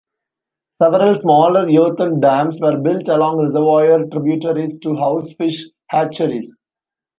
Several smaller earthen dams were built along reservoir tributaries to house fish hatcheries.